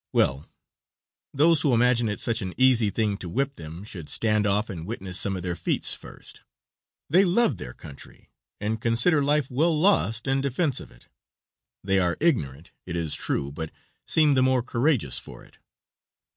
well those who imagine it such an easy thing to whip them should stand off and witness some of their feats first; they love their country, and consider life well lost in defense of it; they are ignorant, it is true, but seem the more courageous for it.